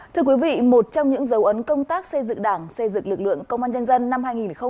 thưa quý vị một trong những dấu ấn công tác xây dựng đảng xây dựng lực lượng công an nhân dân năm hai nghìn hai mươi ba